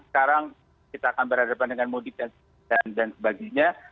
kasus kematian dan sebagainya